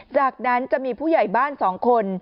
จากนั้นจะมีผู้ใหญ่บ้าน๒คน